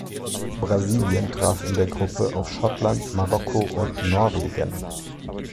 Brasilien traf in der Gruppe auf Schottland, Marokko und Norwegen.